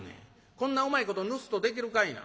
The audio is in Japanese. こんなうまいことぬすっとできるかいな。